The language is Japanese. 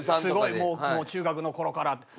すごいもう中学の頃から。